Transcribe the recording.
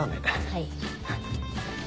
はい。